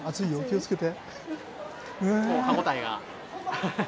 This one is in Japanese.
歯応えが。